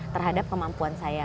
terhadap kemampuan saya